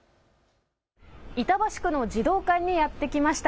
板橋区の児童館にやって来ました。